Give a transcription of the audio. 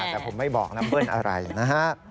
แต่ผมไม่บอกนะเบิ้ลอะไรนะฮะ